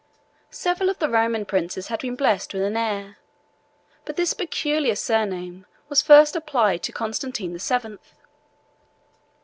Several of the Roman princes had been blessed with an heir; but this peculiar surname was first applied to Constantine the Seventh.